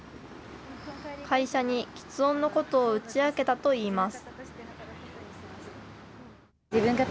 会社にきつ音のことを打ち明けたといいます。